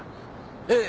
ええ。